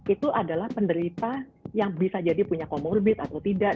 itu adalah penderita yang bisa jadi punya comorbid atau tidak